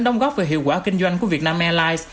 đóng góp về hiệu quả kinh doanh của vietnam airlines